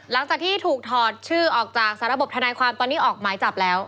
หลังจากที่ถูกถอดชื่อออกจากสารบทนายความตอนนี้ออกหมายจับแล้ว